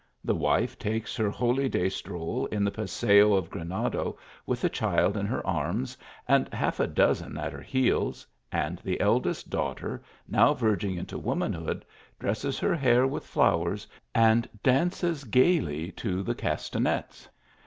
The wife takes her holycUy stroll in the Paseo of Granada, with a child in her arms, and half a dozen at her heels, and the eldest daughter, now verging into womanhood, dresses her hair with flowers, and dances gaily to the cas tanets.